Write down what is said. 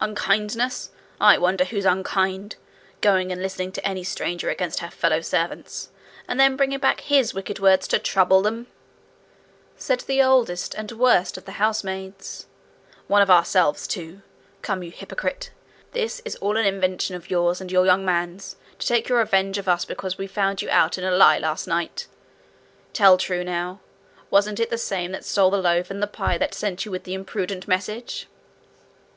'Unkindness! I wonder who's unkind! Going and listening to any stranger against her fellow servants, and then bringing back his wicked words to trouble them!' said the oldest and worst of the housemaids. 'One of ourselves, too! Come, you hypocrite! This is all an invention of yours and your young man's, to take your revenge of us because we found you out in a lie last night. Tell true now: wasn't it the same that stole the loaf and the pie that sent you with the impudent message?'